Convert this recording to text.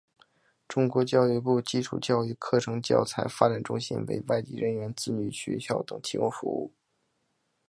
中国教育部基础教育课程教材发展中心为外籍人员子女学校等提供服务。